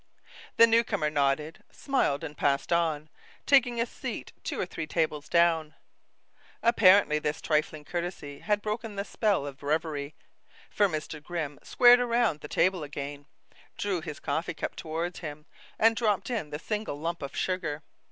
The new comer nodded, smiled and passed on, taking a seat two or three tables down. Apparently this trifling courtesy had broken the spell of reverie, for Mr. Grimm squared around to the table again, drew his coffee cup toward him, and dropped in the single lump of sugar.